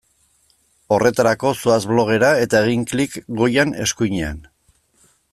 Horretarako zoaz blogera eta egin klik goian eskuinean.